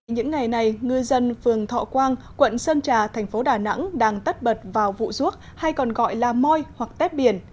những ngày này ngư dân phường thọ quang quận sơn trà thành phố đà nẵng đang tất bật vào vụ ruốc hay còn gọi là moi hoặc tép biển